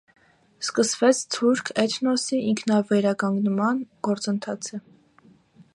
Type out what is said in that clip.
Սկսցվեց թուրք էթնոսի ինքավերականգնման գործընթացը։